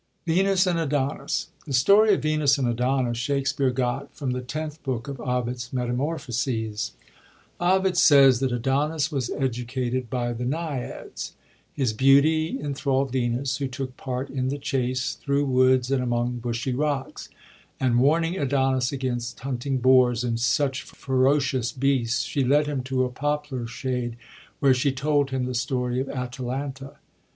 Vbnub and Adonib.— The story of Venus and Adonis Shakspere got from the Tenth Book of Ovid's Meta morphoaea, Ovid says that Adonis was educated by the Naiads. His beauty enthrald Venus, who took part in the chase thru woods and among bushy rocks; and warning Adonis against hunting boars and such ferocious beasts, she led him to a poplar shade, where she told him the story of Atalanta.